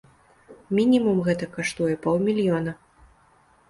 Мінімум гэта каштуе паўмільёна.